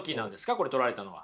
これ撮られたのは。